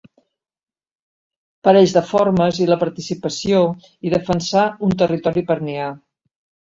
Parells de formes, i la participació i defensar un territori per niar.